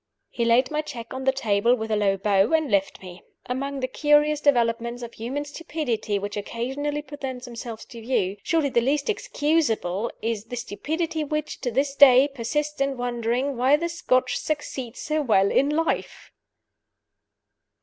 He laid my check on the table with a low bow, and left me. Among the curious developments of human stupidity which occasionally present themselves to view, surely the least excusable is the stupidity which, to this day, persists in wondering why the Scotch succeed so well in life!